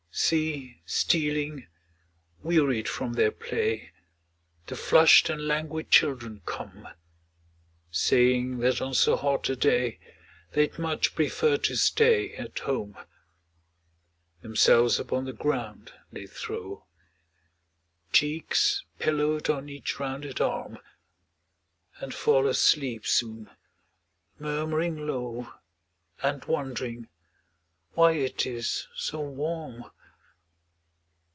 See stealing, wearied from their play, The flushed and languid children come, Saying that on so hot a day They'd much prefer to stay at home. Themselves upon the ground they throw, Cheeks pillowed on each rounded arm And fall asleep soon, murmuring low, And wondering "why it is so warm?"